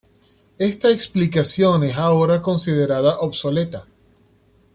Esta explicación es ahora considerada obsoleta.